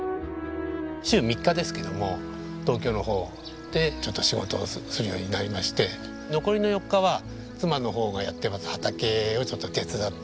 週３日ですけども東京の方で仕事をするようになりまして残りの４日は妻の方がやってます畑をちょっと手伝って。